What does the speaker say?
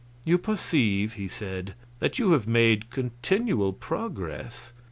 "You perceive," he said, "that you have made continual progress.